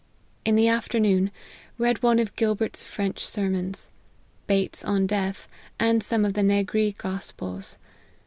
In the afternoon, read one of Gilbert's French Sermons ; Bates on Death ; and some of the Nagree Gospels.